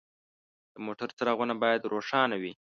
د موټر څراغونه باید روښانه وي.